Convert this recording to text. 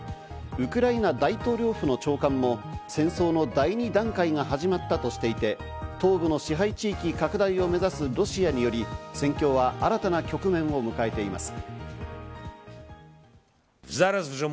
ウクライナ大統領府の長官も戦争の第２段階が始まったとしていて東部の支配地域拡大を目指すロシアにより、戦況は新たな局面を迎えています。